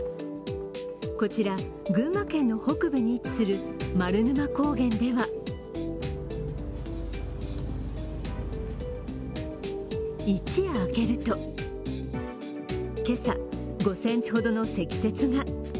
こちら、群馬県の北部に位置する丸沼高原では一夜明けるとけさ、５センチほどの積雪が。